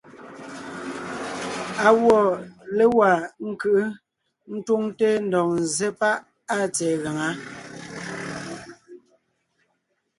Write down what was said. Á gwɔ́ légwá ńkʉ́ʼʉ ńtúŋte ńdɔg ńzsé páʼ áa tsɛ̀ɛ gaŋá.